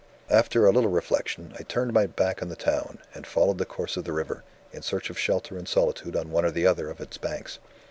"After a little reflection, I turned my back on the town, and followed the course of the river, in search of shelter and solitude on one or the other of its banks.